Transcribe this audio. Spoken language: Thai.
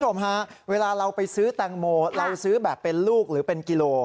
คุณผู้ชมฮะเวลาเราไปซื้อแตงโมเราซื้อแบบเป็นลูกหรือเป็นกิโล